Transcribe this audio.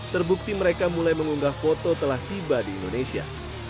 terbukti mereka mulai mengunggah foto telah tiba di indonesia